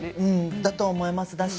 だと思います。